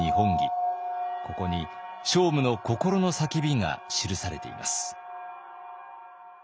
ここに聖武の心の叫びが記されています。